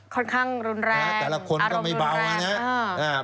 ค่อนข้างรุนแรงอารมณ์รุนแรงแต่ละคนก็ไม่เบา